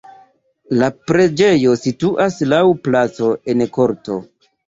La preĝejo situas laŭ placo en korto.